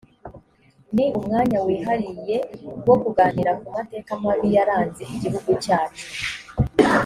ni umwanya wihariye wo kuganira ku mateka mabi yaranze igihugu cyacu